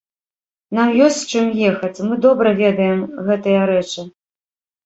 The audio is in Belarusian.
Нам ёсць з чым ехаць, мы добра ведаем гэтыя рэчы.